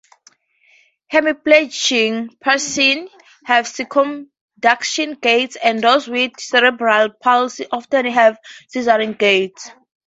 Hemiplegic persons have circumduction gait and those with cerebral palsy often have scissoring gait.